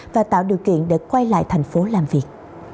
và tạo điều kiện để quay lại thành phố làm việc